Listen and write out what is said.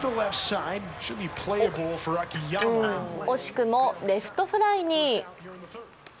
惜しくもレフトフライに。